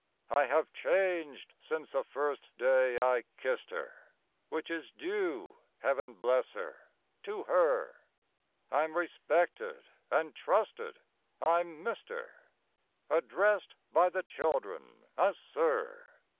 I have changed since the first day I kissed her. Which is due Heaven bless her! to her; I'm respected and trusted I'm 'Mister,' Addressed by the children as 'Sir.